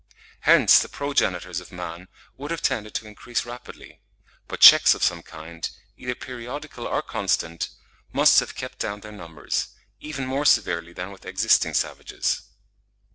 Hence the progenitors of man would have tended to increase rapidly; but checks of some kind, either periodical or constant, must have kept down their numbers, even more severely than with existing savages.